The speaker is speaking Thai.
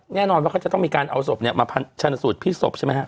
แน่นอนว่าเขาจะต้องมีการเอาศพเนี่ยมาชนสูตรพลิกศพใช่ไหมฮะ